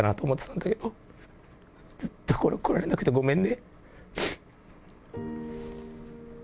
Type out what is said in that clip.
だからずっと来られなくてごめんね。